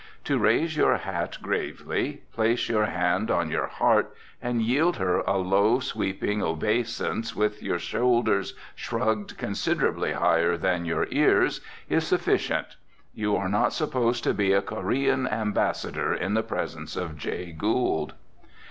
To raise your hat gravely, place your hand on your heart, and yield her a low, sweeping obeisance, with your shoulders shrugged considerably higher than your ears, is sufficient. You are not supposed to be a Corean ambassador in the presence of Jay Gould.